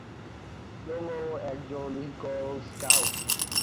ইয়ংও একজন eagle scout.